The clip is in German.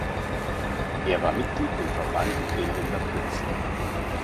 Er war Mitglied im Verband Bildender Künstler.